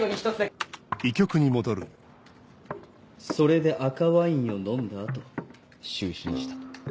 それで赤ワインを飲んだ後就寝したと。